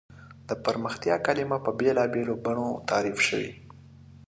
د پرمختیا کلیمه په بېلابېلو بڼو تعریف شوې.